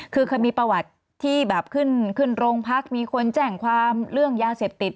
คือเคยมีประวัติที่แบบขึ้นขึ้นโรงพักมีคนแจ้งความเรื่องยาเสพติด